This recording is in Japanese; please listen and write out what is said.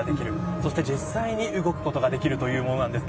そして実際に動くことができるというものです。